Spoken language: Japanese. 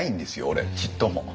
俺ちっとも。